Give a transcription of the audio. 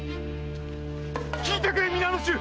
聞いてくれ皆の衆！